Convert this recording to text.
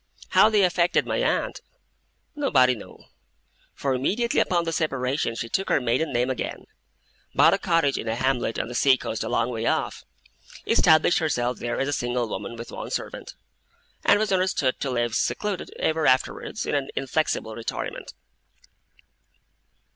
How they affected my aunt, nobody knew; for immediately upon the separation, she took her maiden name again, bought a cottage in a hamlet on the sea coast a long way off, established herself there as a single woman with one servant, and was understood to live secluded, ever afterwards, in an inflexible retirement.